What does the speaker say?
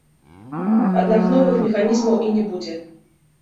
Аднак новых механізмаў і не будзе.